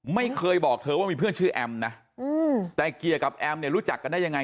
ไม่เคยบอกเธอว่ามีเพื่อนชื่อแอมนะแต่เกียร์กับแอมเนี่ยรู้จักกันได้ยังไง